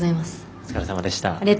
お疲れさまでした。